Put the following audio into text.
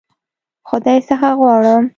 خدای څخه غواړم.